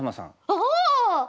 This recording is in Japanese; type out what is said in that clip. ああ！